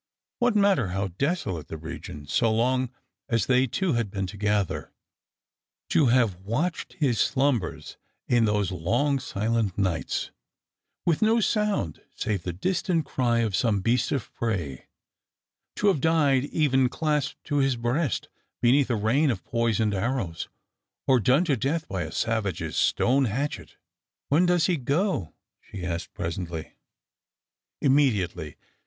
What matter how desolate the region so long as they two had been together ; to have watched his slumbers in those long silent nights, with no sound save the distant cry of some beast of prey ; to have died even, clasped to his breast, beneath a rain of poisoned arrows ; or done to death by a savage's stone hatchet !" When does he go ?" she asked presently. " Immediately.